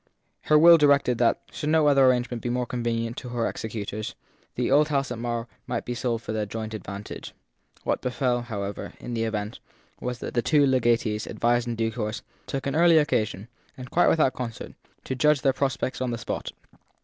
Her will directed that, should no other arrangement be more convenient to her executors, the old house at Marr might be sold for their joint advantage. What befell, however, in the event, was that the two legatees, advised in due course, took an early occasion and quite without concert to judge their prospects on the spot.